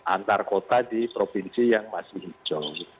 antar kota di provinsi yang masih hijau